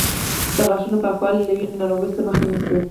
د غاښونو پاکوالی د وینې ناروغیو مخه نیسي.